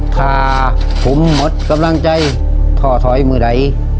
ถ้าผมหมดกำลังใจทอดถอยเมื่อไหร่